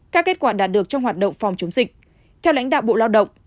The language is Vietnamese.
các kết quả đạt được trong hoạt động phòng chống dịch theo lãnh đạo bộ lao động